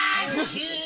シュー！